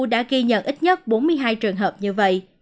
đã ghi nhận ít nhất bốn mươi hai trường hợp như vậy